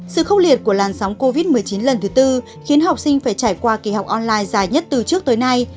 sự khốc liệt của làn sóng covid một mươi chín lần thứ tư khiến học sinh phải trải qua kỳ học online dài nhất từ trước tới nay